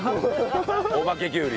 お化けきゅうり。